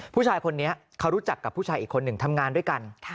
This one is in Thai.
ผู้ชายคนนี้เขารู้จักกับผู้ชายอีกคนหนึ่งทำงานด้วยกัน